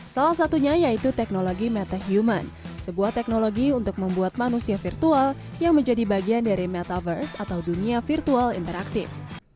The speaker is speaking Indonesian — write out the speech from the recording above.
salah satunya yaitu teknologi metahuman sebuah teknologi untuk membuat manusia virtual yang menjadi bagian dari metaverse atau dunia virtual interaktif